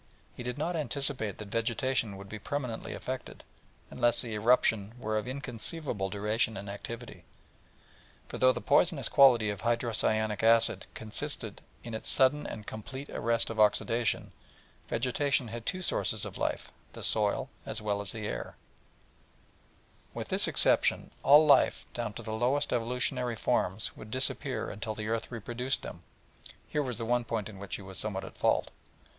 He did not anticipate that vegetation would be permanently affected, unless the eruption were of inconceivable duration and activity, for though the poisonous quality of hydrocyanic acid consisted in its sudden and complete arrest of oxidation, vegetation had two sources of life the soil as well as the air; with this exception, all life, down to the lowest evolutionary forms, would disappear (here was the one point in which he was somewhat at fault), until the earth reproduced them.